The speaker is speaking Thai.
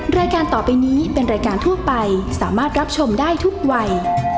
รายการต่อไปนี้เป็นรายการทั่วไปสามารถรับชมได้ทุกวัย